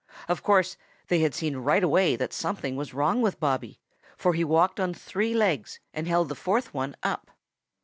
Of course, they had seen right away that something was wrong with Bobby, for he walked on three legs and held the fourth one up.